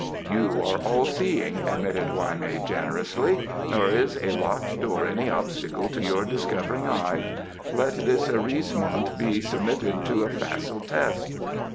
"You are all seeing," admitted Hwa mei generously; "nor is a locked door any obstacle to your discovering eye. Let this arisement be submitted to a facile test.